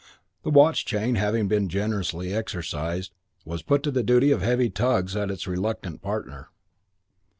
The watch chain, having been generously exercised, was put to the duty of heavy tugs at its reluctant partner.